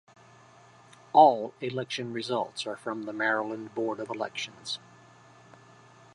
All election results are from the Maryland Board of Elections.